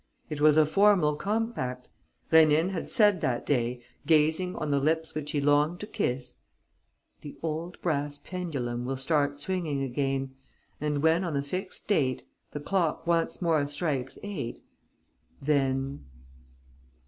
It was a formal compact. Rénine had said that day, gazing on the lips which he longed to kiss: "The old brass pendulum will start swinging again; and, when, on the fixed date, the clock once more strikes eight, then...."